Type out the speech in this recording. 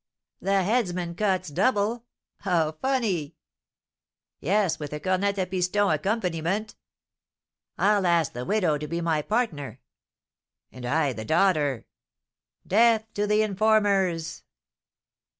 "The headsman cuts double! How funny!" "Yes, with a cornet à piston accompaniment." "I'll ask the widow to be my partner." "And I the daughter." "Death to the informers!"